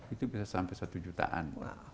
itu bisa sampai satu jutaan